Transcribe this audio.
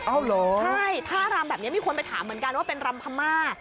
เหรอใช่ท่ารำแบบนี้มีคนไปถามเหมือนกันว่าเป็นรำพม่า